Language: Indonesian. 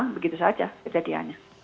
begitu saja kejadiannya